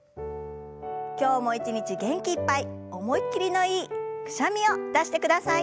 今日も一日元気いっぱい思いっきりのいいくしゃみを出して下さい！